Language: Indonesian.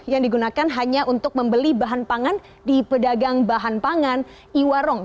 yang digunakan hanya untuk membeli bahan pangan di pedagang bahan pangan iwarong